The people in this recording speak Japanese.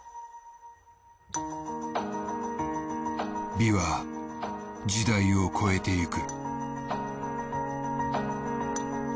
美は時代を超えていく。